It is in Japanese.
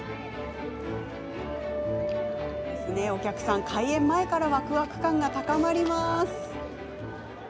お客さんは開演前からわくわく感が高まります。